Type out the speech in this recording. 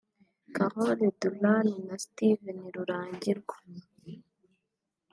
Carol Duran na Steven Rurangirwa